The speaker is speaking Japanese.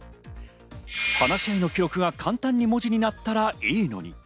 話し合いの記録が簡単に文字になったらいいのに。